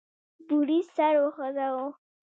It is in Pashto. بوریس سر وخوزاوه.